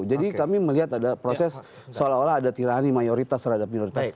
jadi kami melihat ada proses seolah olah ada tirani mayoritas terhadap minoritas